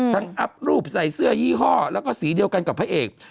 อัพรูปใส่เสื้อยี่ห้อแล้วก็สีเดียวกันกับพระเอก